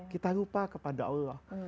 kita lupa kepada allah